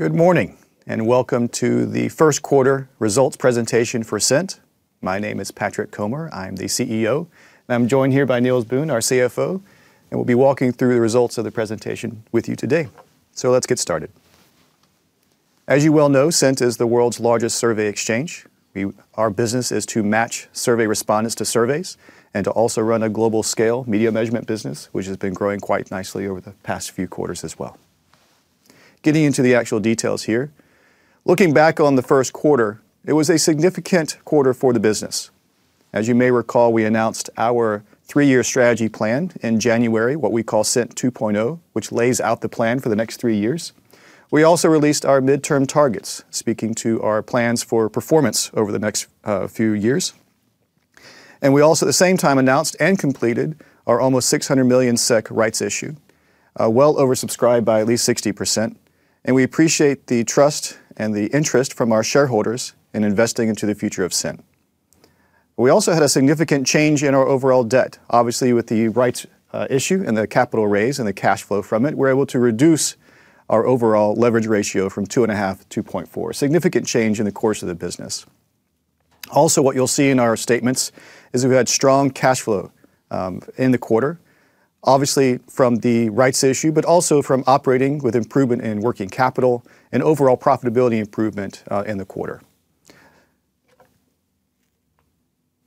Good morning, and welcome to the first quarter results presentation for Cint. My name is Patrick Comer. I'm the CEO, and I'm joined here by Niels Boon, our CFO, and we'll be walking through the results of the presentation with you today. Let's get started. As you well know, Cint is the world's largest survey exchange. Our business is to match survey respondents to surveys and to also run a global scale media measurement business, which has been growing quite nicely over the past few quarters as well. Getting into the actual details here, looking back on the first quarter, it was a significant quarter for the business. As you may recall, we announced our three-year strategy plan in January, what we call Cint 2.0, which lays out the plan for the next three years. We also released our midterm targets, speaking to our plans for performance over the next few years. We also, at the same time, announced and completed our almost 600 million SEK rights issue, well oversubscribed by at least 60%. We appreciate the trust and the interest from our shareholders in investing into the future of Cint. We also had a significant change in our overall debt. Obviously, with the rights issue and the capital raise and the cash flow from it, we are able to reduce our overall leverage ratio from 2.5 to 0.4, a significant change in the course of the business. Also, what you will see in our statements is we had strong cash flow in the quarter, obviously from the rights issue, but also from operating with improvement in working capital and overall profitability improvement in the quarter.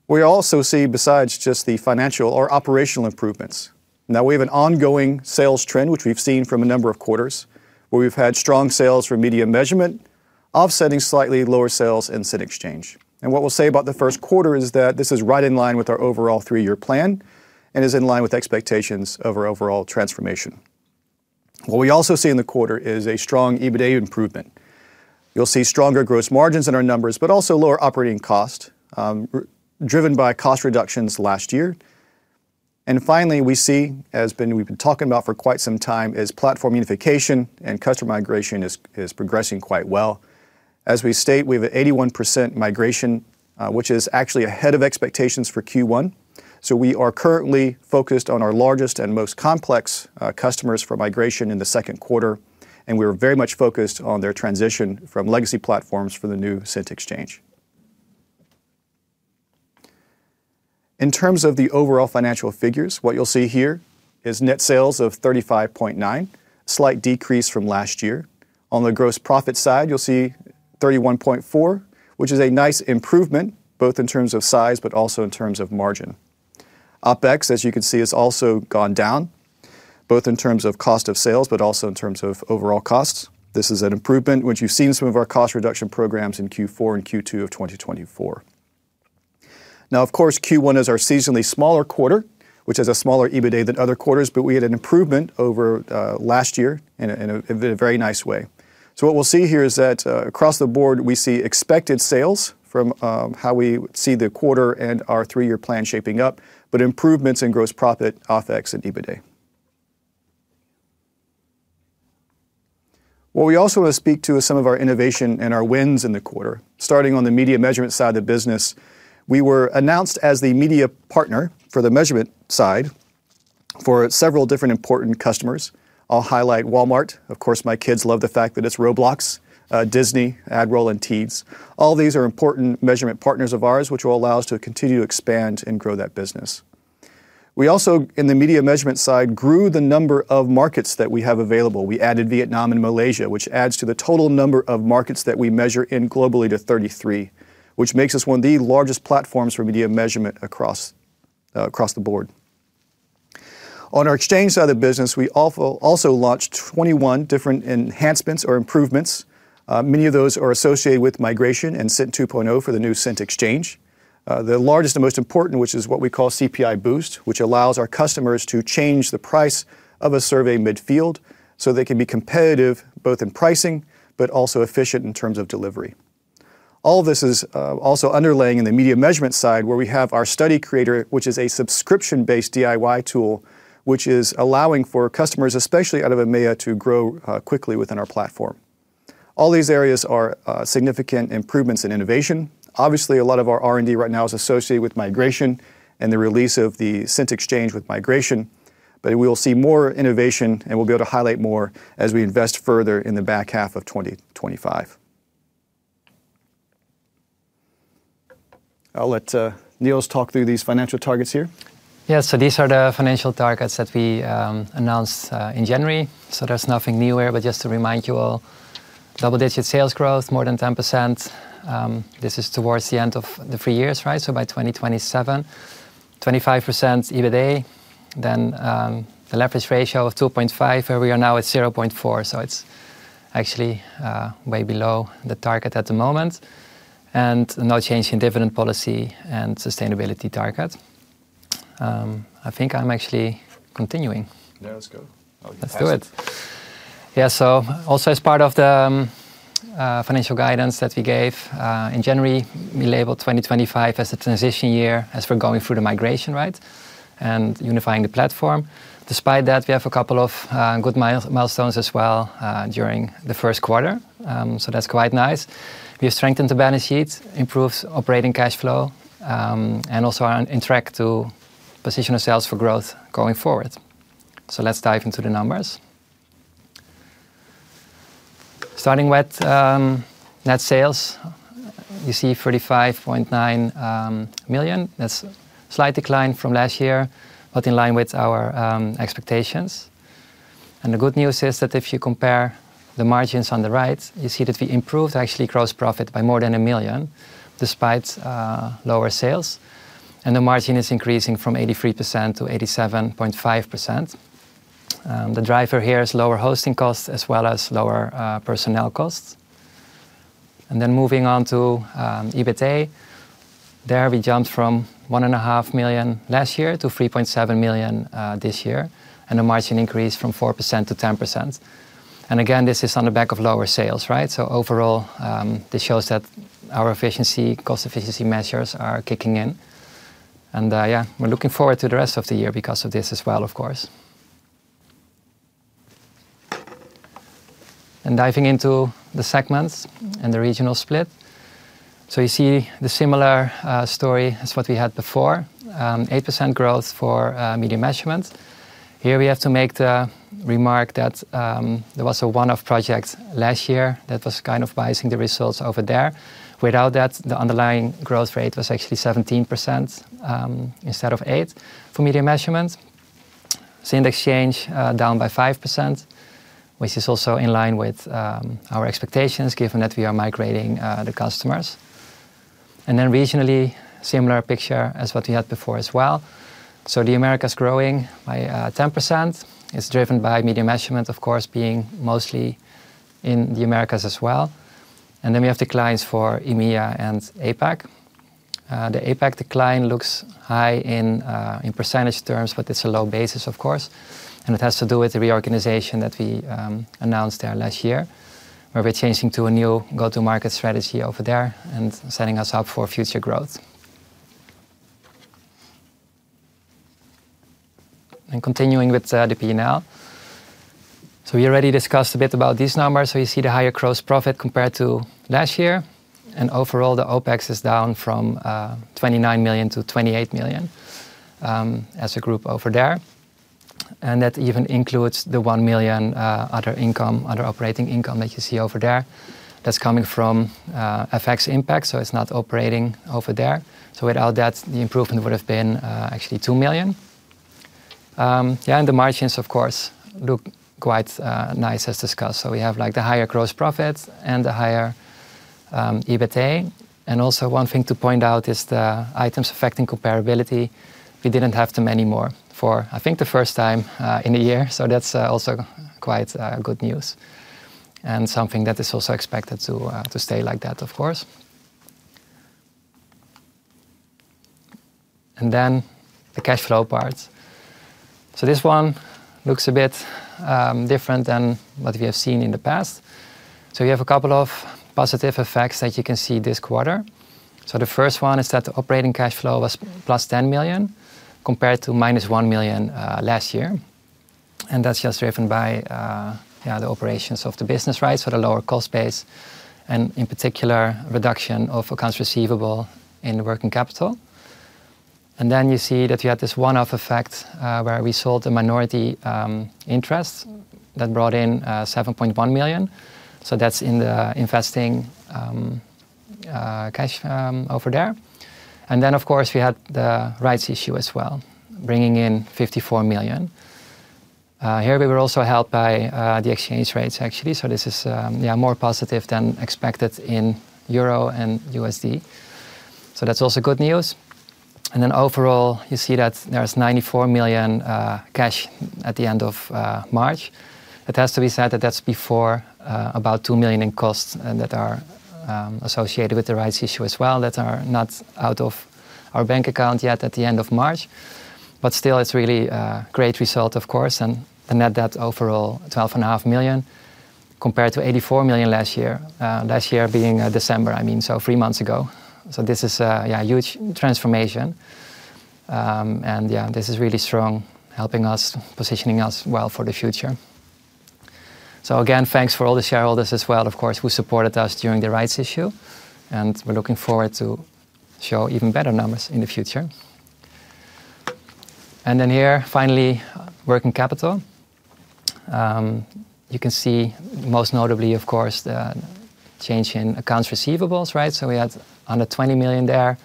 We also see, besides just the financial, our operational improvements. Now, we have an ongoing sales trend, which we've seen from a number of quarters, where we've had strong sales for media measurement, offsetting slightly lower sales in Cint Exchange. What we'll say about the first quarter is that this is right in line with our overall three-year plan and is in line with expectations of our overall transformation. What we also see in the quarter is a strong EBITDA improvement. You'll see stronger gross margins in our numbers, but also lower operating cost, driven by cost reductions last year. Finally, we see, as we've been talking about for quite some time, as platform unification and customer migration is progressing quite well. As we state, we have an 81% migration, which is actually ahead of expectations for Q1. We are currently focused on our largest and most complex customers for migration in the second quarter, and we are very much focused on their transition from legacy platforms for the new Cint Exchange. In terms of the overall financial figures, what you'll see here is net sales of 35.9 million, a slight decrease from last year. On the gross profit side, you'll see 31.4 million, which is a nice improvement, both in terms of size, but also in terms of margin. OpEx, as you can see, has also gone down, both in terms of cost of sales, but also in terms of overall costs. This is an improvement, which you've seen in some of our cost reduction programs in Q4 and Q2 of 2024. Now, of course, Q1 is our seasonally smaller quarter, which has a smaller EBITDA than other quarters, but we had an improvement over last year in a very nice way. What we will see here is that across the board, we see expected sales from how we see the quarter and our three-year plan shaping up, but improvements in gross profit, OpEx, and EBITDA. What we also want to speak to is some of our innovation and our wins in the quarter. Starting on the media measurement side of the business, we were announced as the media partner for the measurement side for several different important customers. I will highlight Walmart. Of course, my kids love the fact that it is Roblox, Disney, Admiral, and Teads. All these are important measurement partners of ours, which will allow us to continue to expand and grow that business. We also, in the media measurement side, grew the number of markets that we have available. We added Vietnam and Malaysia, which adds to the total number of markets that we measure in globally to 33, which makes us one of the largest platforms for media measurement across the board. On our exchange side of the business, we also launched 21 different enhancements or improvements. Many of those are associated with migration and Cint 2.0 for the new Cint Exchange. The largest and most important, which is what we call CPI Boost, which allows our customers to change the price of a survey mid-field so they can be competitive both in pricing, but also efficient in terms of delivery. All of this is also underlaying in the media measurement side, where we have our Study Creator, which is a subscription-based DIY tool, which is allowing for customers, especially out of EMEA, to grow quickly within our platform. All these areas are significant improvements in innovation. Obviously, a lot of our R&D right now is associated with migration and the release of the Cint Exchange with migration, but we will see more innovation, and we'll be able to highlight more as we invest further in the back half of 2025. I'll let Niels talk through these financial targets here. Yeah, so these are the financial targets that we announced in January. There is nothing new here, but just to remind you all, double-digit sales growth, more than 10%. This is towards the end of the three years, right? By 2027, 25% EBITDA, then the leverage ratio of 2.5, where we are now at 0.4. It is actually way below the target at the moment. No change in dividend policy and sustainability target. I think I am actually continuing. Yeah, let's go. Let's do it. Yeah, so also as part of the financial guidance that we gave in January, we labeled 2025 as a transition year as we're going through the migration, right? And unifying the platform. Despite that, we have a couple of good milestones as well during the first quarter. That's quite nice. We have strengthened the balance sheet, improved operating cash flow, and also are on track to position ourselves for growth going forward. Let's dive into the numbers. Starting with net sales, you see 35.9 million. That's a slight decline from last year, but in line with our expectations. The good news is that if you compare the margins on the right, you see that we improved actually gross profit by more than 1 million, despite lower sales. The margin is increasing from 83% to 87.5%. The driver here is lower hosting costs, as well as lower personnel costs. Moving on to EBITDA, there we jumped from 1.5 million last year to 3.7 million this year, and the margin increased from 4% to 10%. Again, this is on the back of lower sales, right? Overall, this shows that our efficiency, cost efficiency measures are kicking in. Yeah, we're looking forward to the rest of the year because of this as well, of course. Diving into the segments and the regional split. You see the similar story as what we had before, 8% growth for media measurement. Here we have to make the remark that there was a one-off project last year that was kind of biasing the results over there. Without that, the underlying growth rate was actually 17% instead of 8% for media measurement. Cint Exchange down by 5%, which is also in line with our expectations, given that we are migrating the customers. Regionally, similar picture as what we had before as well. The Americas growing by 10% is driven by media measurement, of course, being mostly in the Americas as well. We have declines for EMEA and APAC. The APAC decline looks high in percentage terms, but it is a low basis, of course. It has to do with the reorganization that we announced there last year, where we are changing to a new go-to-market strategy over there and setting us up for future growth. Continuing with the P&L. We already discussed a bit about these numbers. You see the higher gross profit compared to last year. Overall, the OpEx is down from 29 million to 28 million as a group over there. That even includes the 1 million other income, other operating income that you see over there. That is coming from FX impact, so it is not operating over there. Without that, the improvement would have been actually 2 million. Yeah, and the margins, of course, look quite nice, as discussed. We have like the higher gross profit and the higher EBITDA. Also, one thing to point out is the items affecting comparability. We did not have them anymore for, I think, the first time in a year. That is also quite good news and something that is also expected to stay like that, of course. The cash flow part looks a bit different than what we have seen in the past. We have a couple of positive effects that you can see this quarter. The first one is that the operating cash flow was 10 million compared to -1 million last year. That is just driven by the operations of the business, right? The lower cost base, and in particular, reduction of accounts receivable in the working capital. You see that we had this one-off effect where we sold the minority interest that brought in 7.1 million. That is in the investing cash over there. Of course, we had the rights issue as well, bringing in 54 million. Here we were also helped by the exchange rates, actually. This is more positive than expected in EUR and USD. That is also good news. Overall, you see that there is 94 million cash at the end of March. It has to be said that that's before about 2 million in costs that are associated with the rights issue as well that are not out of our bank account yet at the end of March. Still, it's really a great result, of course. Net debt overall, 12.5 million compared to 84 million last year, last year being December, I mean, so three months ago. This is a huge transformation. Yeah, this is really strong, helping us, positioning us well for the future. Again, thanks for all the shareholders as well, of course, who supported us during the rights issue. We're looking forward to show even better numbers in the future. Here, finally, working capital. You can see most notably, of course, the change in accounts receivables, right? We had under 20 million there,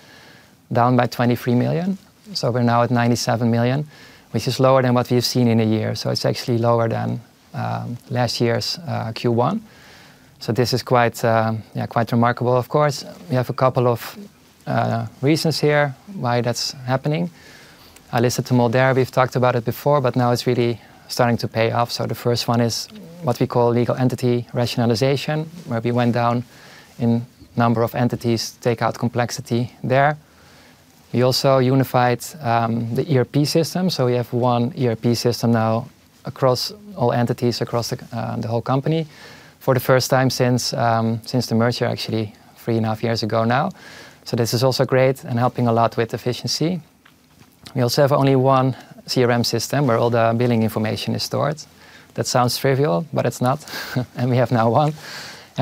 down by 23 million. We're now at 97 million, which is lower than what we've seen in a year. It's actually lower than last year's Q1. This is quite remarkable, of course. We have a couple of reasons here why that's happening. I listed two more there. We've talked about it before, but now it's really starting to pay off. The first one is what we call legal entity rationalization, where we went down in number of entities to take out complexity there. We also unified the ERP system. We have one ERP system now across all entities across the whole company for the first time since the merger, actually three and a half years ago now. This is also great and helping a lot with efficiency. We also have only one CRM system where all the billing information is stored. That sounds trivial, but it's not. We have now one.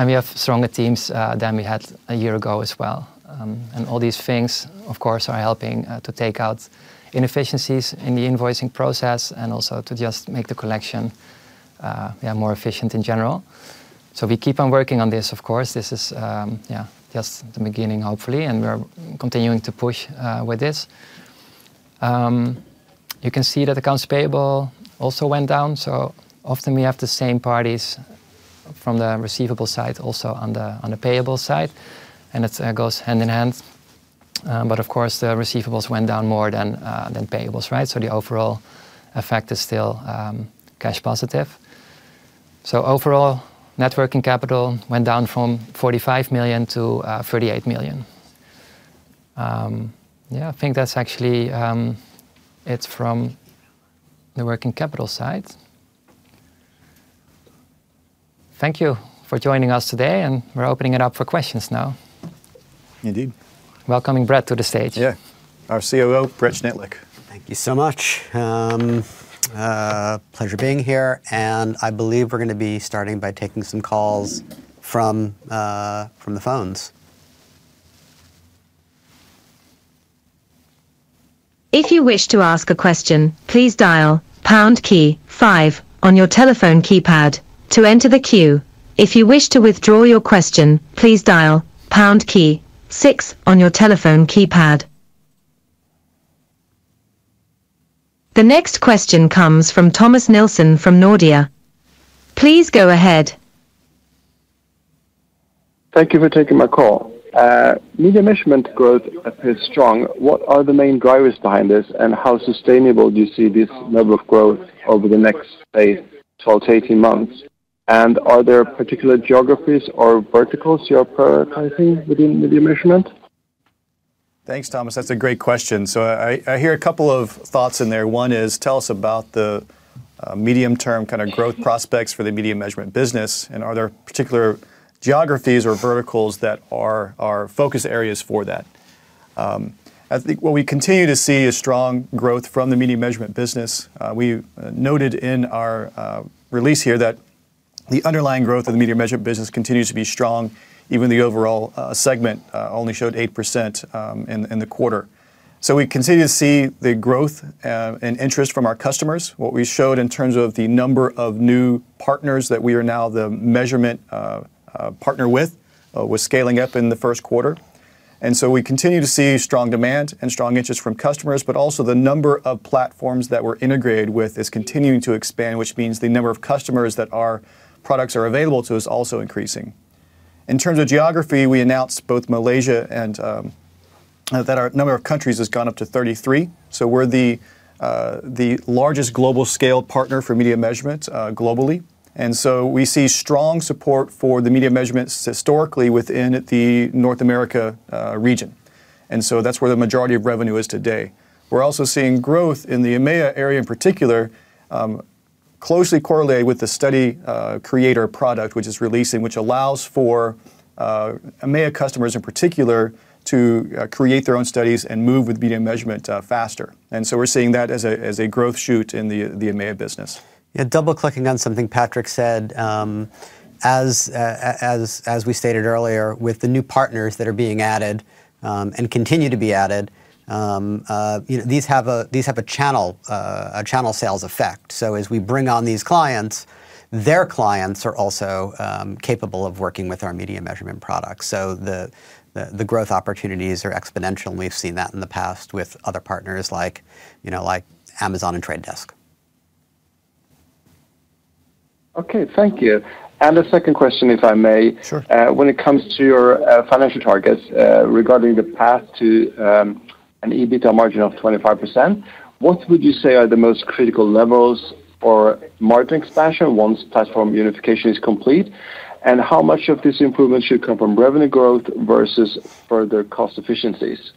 We have stronger teams than we had a year ago as well. All these things, of course, are helping to take out inefficiencies in the invoicing process and also to just make the collection more efficient in general. We keep on working on this, of course. This is just the beginning, hopefully, and we're continuing to push with this. You can see that accounts payable also went down. Often we have the same parties from the receivable side also on the payable side, and it goes hand in hand. Of course, the receivables went down more than payables, right? The overall effect is still cash positive. Overall, net working capital went down from 45 million to 38 million. I think that's actually it from the working capital side. Thank you for joining us today, and we're opening it up for questions now. Indeed. Welcoming Brett Schnittlich to the stage. Yeah, our COO, Brett Schnittlich. Thank you so much. Pleasure being here. I believe we're going to be starting by taking some calls from the phones. If you wish to ask a question, please dial pound key five on your telephone keypad to enter the queue. If you wish to withdraw your question, please dial pound key six on your telephone keypad. The next question comes from Thomas Nielsen from Nordea. Please go ahead. Thank you for taking my call. Media measurement growth appears strong. What are the main drivers behind this, and how sustainable do you see this level of growth over the next say 12 to 18 months? Are there particular geographies or verticals you're prioritizing within media measurement? Thanks, Thomas. That's a great question. I hear a couple of thoughts in there. One is, tell us about the medium-term kind of growth prospects for the media measurement business, and are there particular geographies or verticals that are focus areas for that? I think what we continue to see is strong growth from the media measurement business. We noted in our release here that the underlying growth of the media measurement business continues to be strong, even though the overall segment only showed 8% in the quarter. We continue to see the growth and interest from our customers. What we showed in terms of the number of new partners that we are now the measurement partner with was scaling up in the first quarter. We continue to see strong demand and strong interest from customers, but also the number of platforms that we're integrated with is continuing to expand, which means the number of customers that our products are available to is also increasing. In terms of geography, we announced both Malaysia and that our number of countries has gone up to 33. We are the largest global scale partner for media measurement globally. We see strong support for the media measurement historically within the North America region. That is where the majority of revenue is today. We are also seeing growth in the EMEA area in particular, closely correlated with the Study Creator product, which is releasing, which allows for EMEA customers in particular to create their own studies and move with media measurement faster. We are seeing that as a growth shoot in the EMEA business. Yeah, double-clicking on something Patrick said. As we stated earlier, with the new partners that are being added and continue to be added, these have a channel sales effect. As we bring on these clients, their clients are also capable of working with our media measurement products. The growth opportunities are exponential, and we've seen that in the past with other partners like Amazon and The Trade Desk. Okay, thank you. A second question, if I may. Sure. When it comes to your financial targets regarding the path to an EBITDA margin of 25%, what would you say are the most critical levels for margin expansion once platform unification is complete? How much of this improvement should come from revenue growth versus further cost efficiencies?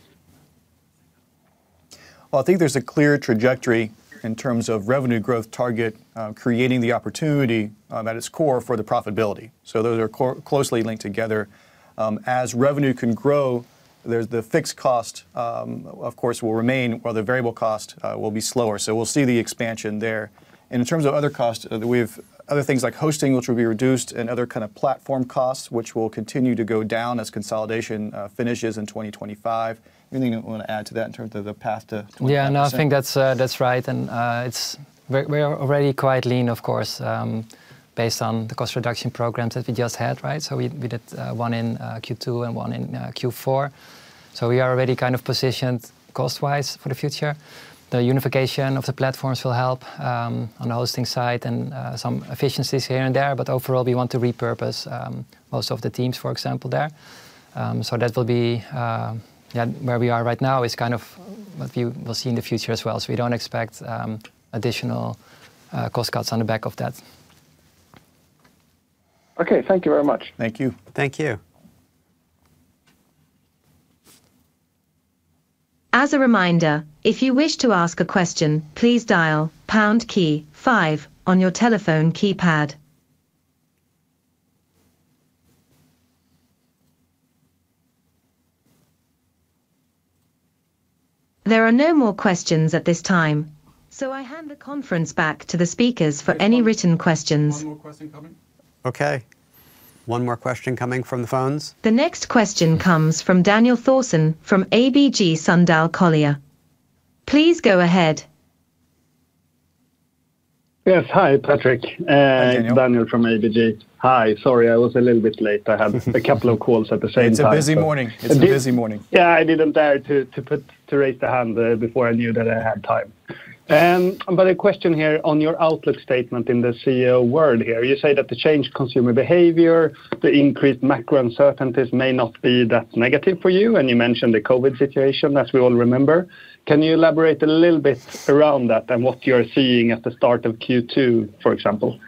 I think there's a clear trajectory in terms of revenue growth target creating the opportunity at its core for the profitability. Those are closely linked together. As revenue can grow, the fixed cost, of course, will remain, while the variable cost will be slower. We'll see the expansion there. In terms of other costs, we have other things like hosting, which will be reduced, and other kind of platform costs, which will continue to go down as consolidation finishes in 2025. Anything you want to add to that in terms of the path to 2025? Yeah, no, I think that's right. We're already quite lean, of course, based on the cost reduction programs that we just had, right? We did one in Q2 and one in Q4. We are already kind of positioned cost-wise for the future. The unification of the platforms will help on the hosting side and some efficiencies here and there. Overall, we want to repurpose most of the teams, for example, there. Where we are right now is kind of what we will see in the future as well. We do not expect additional cost cuts on the back of that. Okay, thank you very much. Thank you. Thank you. As a reminder, if you wish to ask a question, please dial pound key five on your telephone keypad. There are no more questions at this time. I hand the conference back to the speakers for any written questions. One more question coming. Okay. One more question coming from the phones. The next question comes from Daniel Thorsson from ABG Sundal Collier. Please go ahead. Yes, hi, Patrick. Daniel. Daniel from ABG. Hi, sorry, I was a little bit late. I had a couple of calls at the same time. It's a busy morning. Yeah, I didn't dare to raise the hand before I knew that I had time. A question here on your outlook statement in the CEO world here. You say that the change in consumer behavior, the increased macro uncertainties may not be that negative for you. You mentioned the COVID situation, as we all remember. Can you elaborate a little bit around that and what you're seeing at the start of Q2, for example?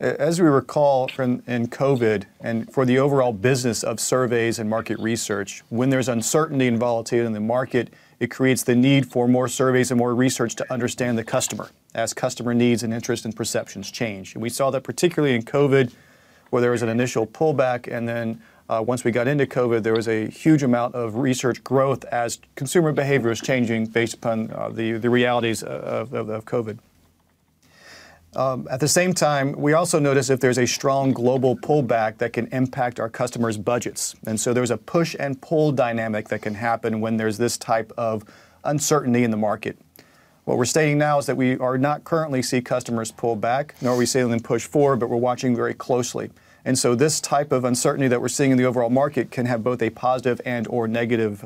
As we recall, in COVID and for the overall business of surveys and market research, when there is uncertainty and volatility in the market, it creates the need for more surveys and more research to understand the customer as customer needs and interests and perceptions change. We saw that particularly in COVID, where there was an initial pullback, and then once we got into COVID, there was a huge amount of research growth as consumer behavior was changing based upon the realities of COVID. At the same time, we also noticed that there is a strong global pullback that can impact our customers' budgets. There is a push and pull dynamic that can happen when there is this type of uncertainty in the market. What we are stating now is that we are not currently seeing customers pull back, nor are we seeing them push forward, but we are watching very closely. This type of uncertainty that we're seeing in the overall market can have both a positive and/or negative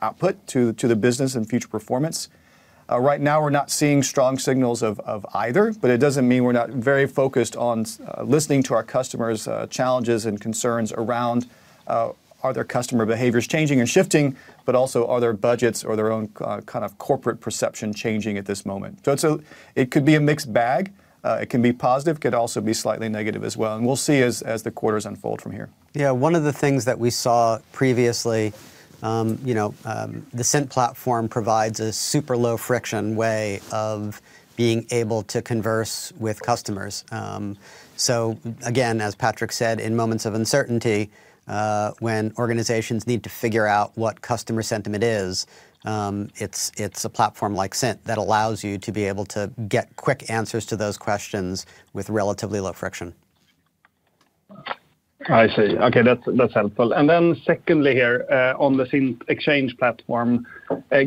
output to the business and future performance. Right now, we're not seeing strong signals of either, but it doesn't mean we're not very focused on listening to our customers' challenges and concerns around, are their customer behaviors changing and shifting, but also are their budgets or their own kind of corporate perception changing at this moment? It could be a mixed bag. It can be positive. It could also be slightly negative as well. We'll see as the quarters unfold from here. Yeah, one of the things that we saw previously, the Cint platform provides a super low friction way of being able to converse with customers. Again, as Patrick said, in moments of uncertainty, when organizations need to figure out what customer sentiment is, it's a platform like Cint that allows you to be able to get quick answers to those questions with relatively low friction. I see. Okay, that's helpful. Secondly here, on the Cint Exchange platform,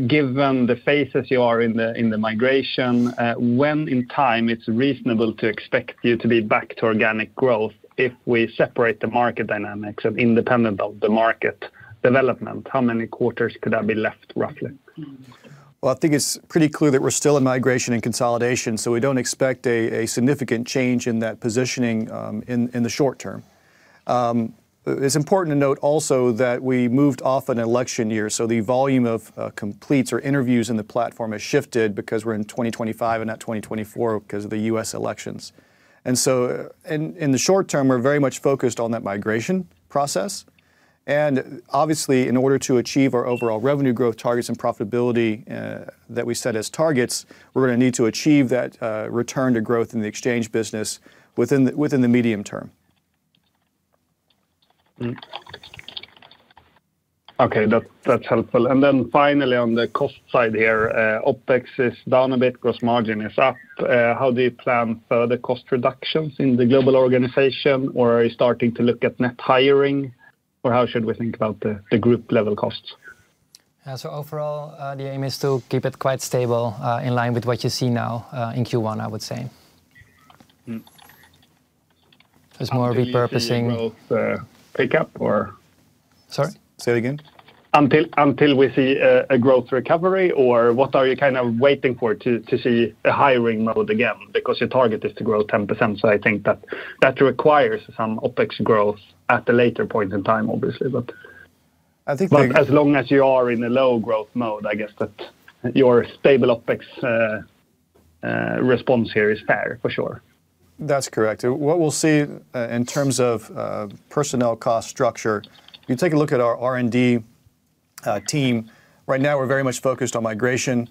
given the phases you are in the migration, when in time it's reasonable to expect you to be back to organic growth if we separate the market dynamics and independent of the market development, how many quarters could that be left, roughly? I think it's pretty clear that we're still in migration and consolidation, so we don't expect a significant change in that positioning in the short term. It's important to note also that we moved off an election year, so the volume of completes or interviews in the platform has shifted because we're in 2025 and not 2024 because of the U.S. elections. In the short term, we're very much focused on that migration process. Obviously, in order to achieve our overall revenue growth targets and profitability that we set as targets, we're going to need to achieve that return to growth in the exchange business within the medium term. Okay, that's helpful. Finally, on the cost side here, OpEx is down a bit, gross margin is up. How do you plan further cost reductions in the global organization, or are you starting to look at net hiring, or how should we think about the group level costs? Overall, the aim is to keep it quite stable in line with what you see now in Q1, I would say. There's more repurposing. Is that growth pickup or? Sorry? Say it again. Until we see a growth recovery, or what are you kind of waiting for to see a hiring mode again? Because your target is to grow 10%, so I think that requires some OpEx growth at a later point in time, obviously. I think. As long as you are in a low growth mode, I guess that your stable OpEx response here is fair for sure. That's correct. What we'll see in terms of personnel cost structure, if you take a look at our R&D team, right now we're very much focused on migration,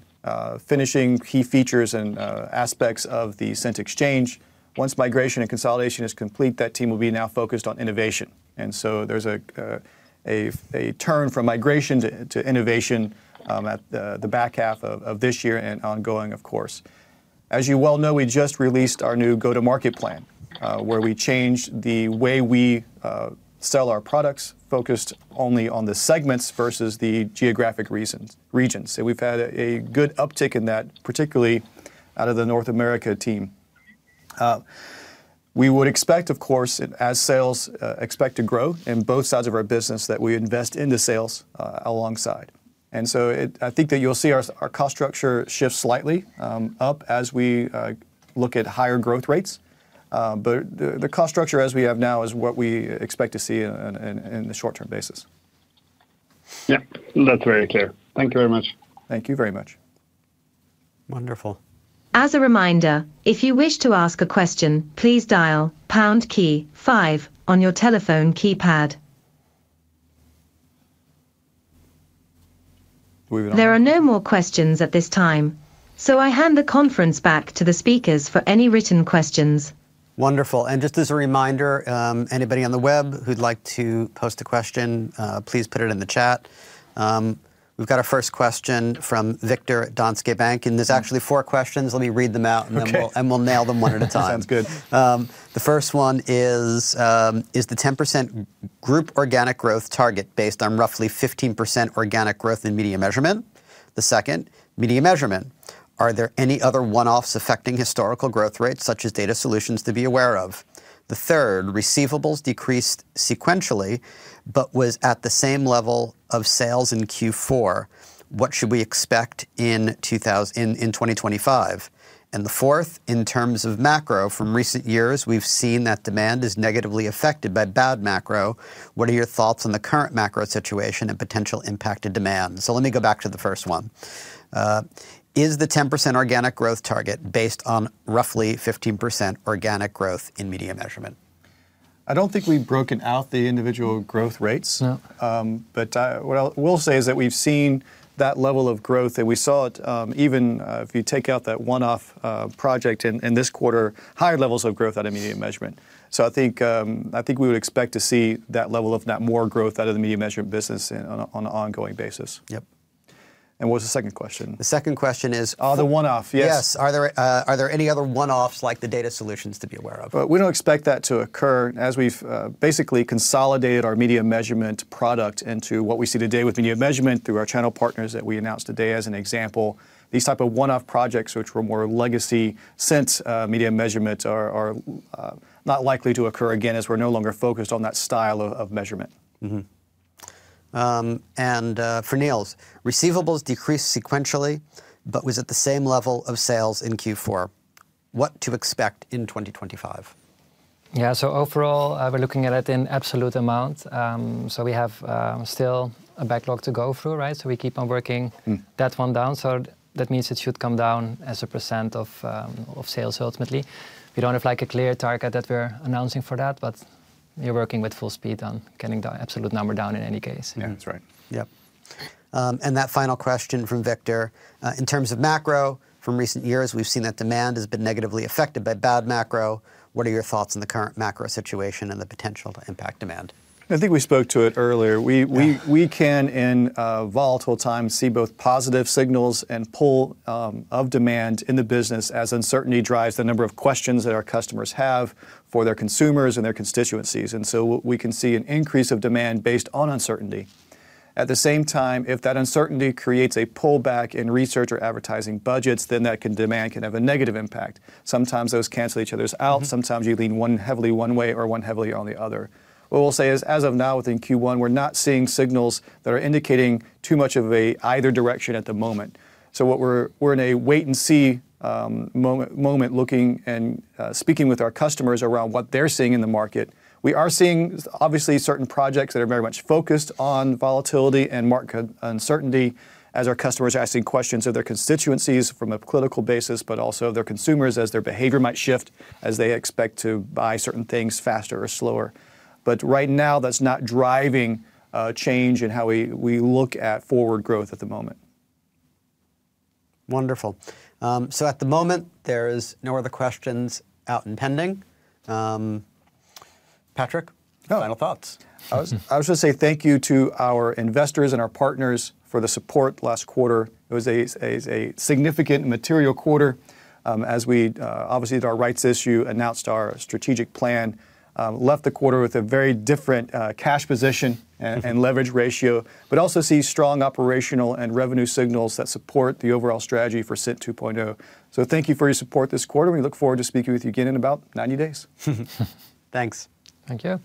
finishing key features and aspects of the Cint Exchange. Once migration and consolidation is complete, that team will be now focused on innovation. There is a turn from migration to innovation at the back half of this year and ongoing, of course. As you well know, we just released our new go-to-market plan, where we changed the way we sell our products, focused only on the segments versus the geographic regions. We have had a good uptick in that, particularly out of the North America team. We would expect, of course, as sales expect to grow in both sides of our business, that we invest into sales alongside. I think that you'll see our cost structure shift slightly up as we look at higher growth rates. The cost structure as we have now is what we expect to see in the short-term basis. Yeah, that's very clear. Thank you very much. Thank you very much. Wonderful. As a reminder, if you wish to ask a question, please dial pound key five on your telephone keypad. There are no more questions at this time, so I hand the conference back to the speakers for any written questions. Wonderful. Just as a reminder, anybody on the web who'd like to post a question, please put it in the chat. We've got our first question from Viktor at Danske Bank, and there's actually four questions. Let me read them out, and we'll nail them one at a time. Okay, sounds good. The first one is, is the 10% group organic growth target based on roughly 15% organic growth in media measurement? The second, media measurement, are there any other one-offs affecting historical growth rates such as data solutions to be aware of? The third, receivables decreased sequentially, but was at the same level of sales in Q4. What should we expect in 2025? The fourth, in terms of macro, from recent years, we've seen that demand is negatively affected by bad macro. What are your thoughts on the current macro situation and potential impact to demand? Let me go back to the first one. Is the 10% organic growth target based on roughly 15% organic growth in media measurement? I don't think we've broken out the individual growth rates. What I will say is that we've seen that level of growth, and we saw it even if you take out that one-off project in this quarter, higher levels of growth out of media measurement. I think we would expect to see that level of that more growth out of the media measurement business on an ongoing basis. Yep. What was the second question? The second question is. The one-off, yes. Yes. Are there any other one-offs like the data solutions to be aware of? We do not expect that to occur. As we have basically consolidated our media measurement product into what we see today with media measurement through our channel partners that we announced today as an example, these type of one-off projects, which were more legacy Cint media measurement, are not likely to occur again as we are no longer focused on that style of measurement. For Niels, receivables decreased sequentially, but was at the same level of sales in Q4. What to expect in 2025? Yeah, so overall, we're looking at it in absolute amount. We have still a backlog to go through, right? We keep on working that one down. That means it should come down as a percent of sales ultimately. We don't have a clear target that we're announcing for that, but we're working with full speed on getting the absolute number down in any case. Yeah, that's right. Yep. That final question from Viktor. In terms of macro, from recent years, we've seen that demand has been negatively affected by bad macro. What are your thoughts on the current macro situation and the potential to impact demand? I think we spoke to it earlier. We can, in volatile times, see both positive signals and pull of demand in the business as uncertainty drives the number of questions that our customers have for their consumers and their constituencies. We can see an increase of demand based on uncertainty. At the same time, if that uncertainty creates a pullback in research or advertising budgets, then that demand can have a negative impact. Sometimes those cancel each other out. Sometimes you lean one heavily one way or one heavily on the other. What we'll say is, as of now, within Q1, we're not seeing signals that are indicating too much of an either direction at the moment. We are in a wait-and-see moment looking and speaking with our customers around what they're seeing in the market. We are seeing, obviously, certain projects that are very much focused on volatility and market uncertainty as our customers are asking questions of their constituencies from a political basis, but also of their consumers as their behavior might shift as they expect to buy certain things faster or slower. Right now, that's not driving change in how we look at forward growth at the moment. Wonderful. At the moment, there are no other questions out in pending. Patrick, final thoughts? I was going to say thank you to our investors and our partners for the support last quarter. It was a significant and material quarter as we, obviously, at our rights issue, announced our strategic plan, left the quarter with a very different cash position and leverage ratio, but also see strong operational and revenue signals that support the overall strategy for Cint 2.0. Thank you for your support this quarter. We look forward to speaking with you again in about 90 days. Thanks. Thank you.